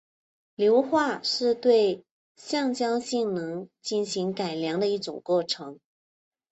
硫化是对橡胶性能进行改良的一种过程。